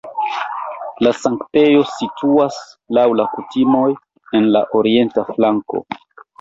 La sanktejo situas (laŭ la kutimoj) en la orienta flanko.